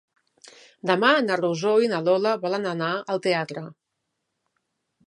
Demà na Rosó i na Lola volen anar al teatre.